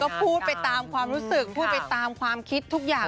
ก็พูดไปตามความรู้สึกพูดไปตามความคิดทุกอย่าง